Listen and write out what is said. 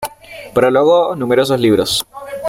Prologó numerosos libros.